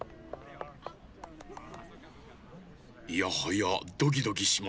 いやはやドキドキしますなあ。